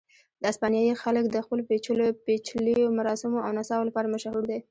اسپانیایي خلک د خپلو پېچلیو مراسمو او نڅاو لپاره مشهور دي.